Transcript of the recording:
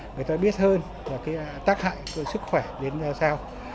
người ta biết hơn là cái tác hại cái sức khỏe đến ra sao